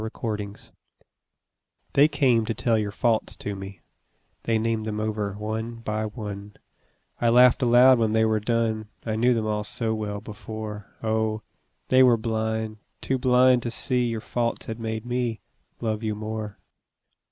Faults They came to tell your faults to me, They named them over one by one; I laughed aloud when they were done, I knew them all so well before, Oh, they were blind, too blind to see Your faults had made me love you more.